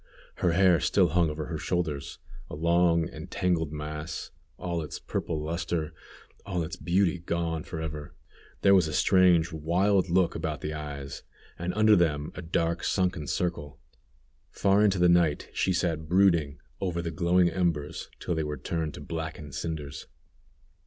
Her hair still hung over her shoulders, a long and tangled mass, all its purple luster, all its beauty gone forever. There was a strange, wild look about the eyes, and under them a dark, sunken circle. Far into the night she sat brooding over the glowing embers, till they were turned to blackened cinders.